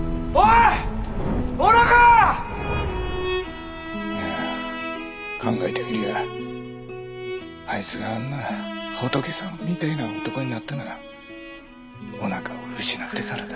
ああ考えてみりゃあいつがあんな仏様みてえな男になったのはおなかを失ってからだ。